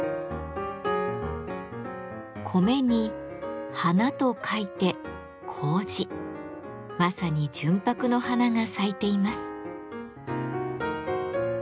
米に花と書いて「糀」まさに純白の花が咲いています。